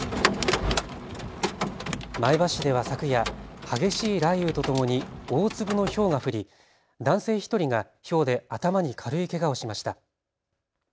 前橋市では昨夜、激しい雷雨とともに大粒のひょうが降り男性１人がひょうで頭に軽いけがをしました。